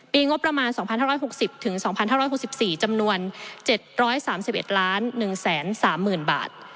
งบประมาณ๒๕๖๐๒๕๖๔จำนวน๗๓๑๑๓๐๐๐บาท